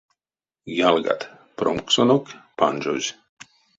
Ялгат, промксонок панжозь.